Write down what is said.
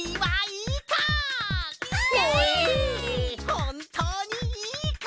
ほんとうにいいか！？